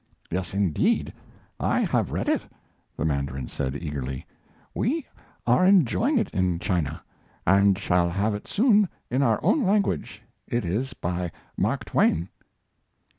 "Yes, indeed, I have read it!" the mandarin said, eagerly. "We are enjoying it in China, and shall have it soon in our own language. It is by Mark Twain."